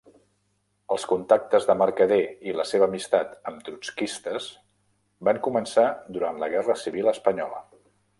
Els contactes de Mercader i la seva amistat amb trotskistes van començar durant la Guerra Civil espanyola.